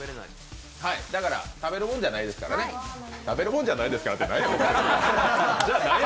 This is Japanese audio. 食べるものじゃないですからね食べるものじゃないですからって何や。